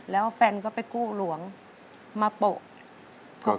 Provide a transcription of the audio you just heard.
แล้วแฟนก็ไปกู้หลวงมาเปลอะทกสให้